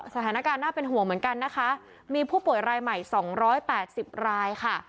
สถานการณ์น่าเป็นห่วงเหมือนกันนะคะมีผู้ป่วยรายใหม่๒๘๐รายค่ะ